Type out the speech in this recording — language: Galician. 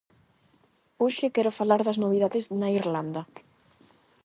Hoxe quero falar das novidades na Irlanda.